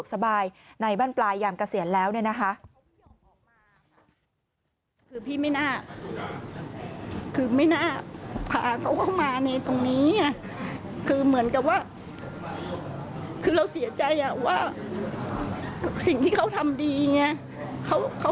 สบายในบ้านปลายยามเกษียณแล้วเนี่ยนะคะ